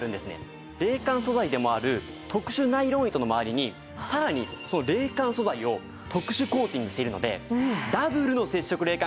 冷感素材でもある特殊ナイロン糸の周りにさらに冷感素材を特殊コーティングしているのでダブルの接触冷感